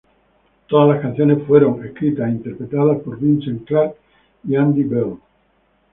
Todas las canciones fueron escritas e interpretadas por Vince Clarke y Andy Bell.